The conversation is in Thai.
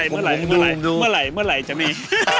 เมื่อไหร่เมื่อไหร่จะมี